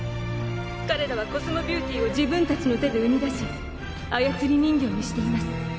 「彼らはコスモビューティーを自分たちの手で生み出し操り人形にしています」